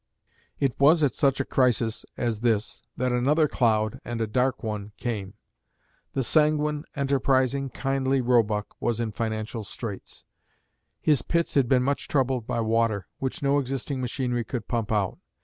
It was at such a crisis as this that another cloud, and a dark one, came. The sanguine, enterprising, kindly Roebuck was in financial straits. His pits had been much troubled by water, which no existing machinery could pump out.